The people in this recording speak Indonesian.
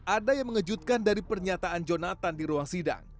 ada yang mengejutkan dari pernyataan jonathan di ruang sidang